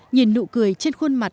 nhìn nụ cười trên khuôn mặt